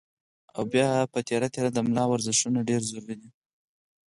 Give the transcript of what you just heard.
او بيا پۀ تېره تېره د ملا ورزشونه ډېر ضروري دي